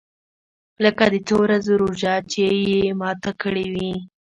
لکه د څو ورځو روژه چې مې ماته کړې وي.